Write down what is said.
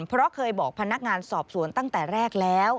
เพราะเคยบอกพนักงานสอบสวนตั้งแต่แรกแล้ว